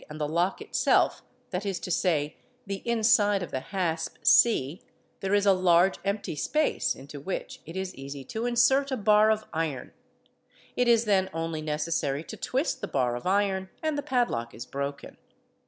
and the lock itself, that is to say, the inside of the hasp c, there is a large empty space into which it is easy to insert a bar of iron; it is then only necessary to twist the bar of iron and the padlock is broken.